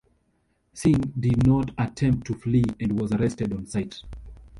Singh did not attempt to flee and was arrested on site.